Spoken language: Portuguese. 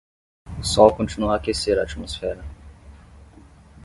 O sol continua a aquecer a atmosfera.